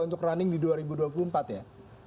untuk running di dua ribu dua puluh empat ya